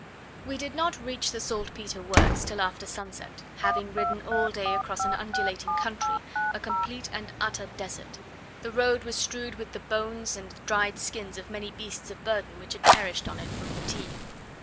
We did not reach the saltpetre works till after sunset, having ridden all day across an undulating country, a complete and utter desert. The road was strewed with the bones and dried skins of many beasts of burden which had perished on it from fatigue.